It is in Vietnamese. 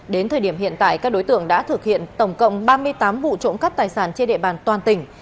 đến thời điểm hiện tại các đối tượng đã thực hiện tổng cộng ba mươi tám vụ trộm cắp tài sản trên địa bàn toàn tỉnh